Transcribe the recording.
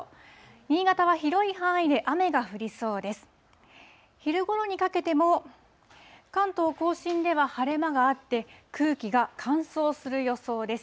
新潟は広い範囲で雨が降りそうです。